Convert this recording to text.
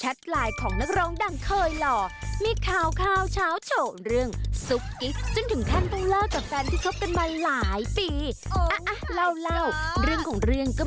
หลงชอบนักรองท่านหนึ่ง